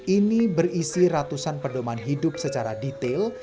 ini berisi ratusan pedoman hidup secara detail